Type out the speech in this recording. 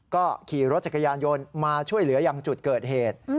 ก็ขี่รถจักรยานยนต์มาช่วยเหลืออย่างจุดเกิดเหตุ